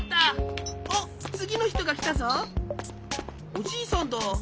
おじいさんだ。